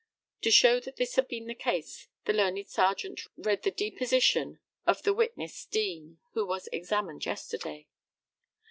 [To show that this had been the case the learned Serjeant read the deposition of the witness Deane, who was examined yesterday.